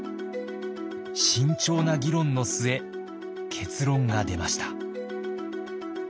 慎重な議論の末結論が出ました。